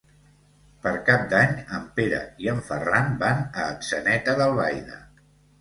Per Cap d'Any en Pere i en Ferran van a Atzeneta d'Albaida.